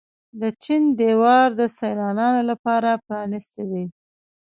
د چین دیوار د سیلانیانو لپاره پرانیستی دی.